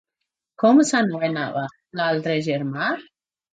Com s'anomenava l'altre germà?